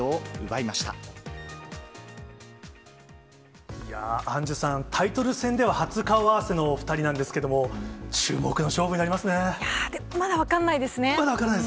いやー、アンジュさん、タイトル戦では初顔合わせの２人なんですけれども、注目の勝負にいやー、まだ分かんないです